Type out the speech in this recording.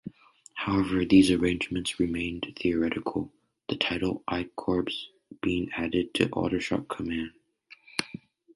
However, these arrangements remained theoretical, the title 'I Corps' being added to Aldershot Command.